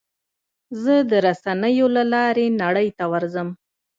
زه د رسنیو له لارې نړۍ ته ورځم.